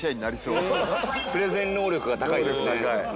プレゼン能力が高いですね。